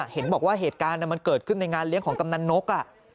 เห็นบอกว่าเหตุการณ์มันเกิดขึ้นในงานเลี้ยงของกำนันนก